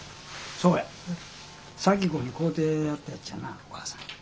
そうや沙希子に買うてやったやつやなあおかあさん。